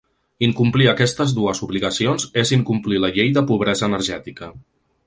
Incomplir aquestes dues obligacions és incomplir la llei de pobresa energètica.